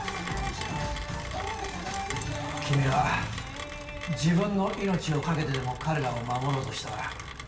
君は自分の命をかけてでも彼らを守ろうとした。